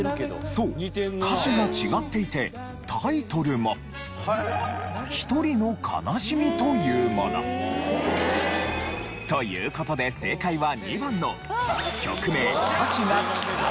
そう歌詞が違っていてタイトルも『ひとりの悲しみ』というもの。という事で正解は。